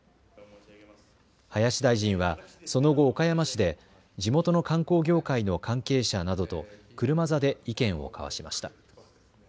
林大臣はその後、岡山市で地元の観光業界の関係者などと車座で意見を交わしました。